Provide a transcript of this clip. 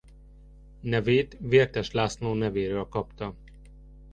Nevét Vértes László nevéről kapta.